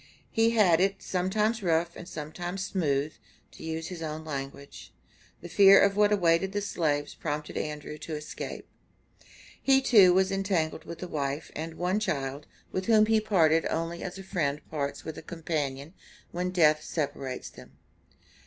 He had had it "sometimes rough and sometimes smooth," to use his own language. The fear of what awaited the slaves prompted Andrew to escape. He too was entangled with a wife and one child, with whom he parted only as a friend parts with a companion when death separates them.